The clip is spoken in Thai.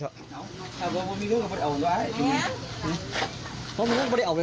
ขอลองกันออกจากพื้นที่พร้อมไปซะ